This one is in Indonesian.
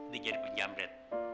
dia jadi penjamret